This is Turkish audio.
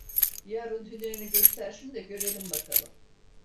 Yarın hünerini göstersin de görelim bakalım.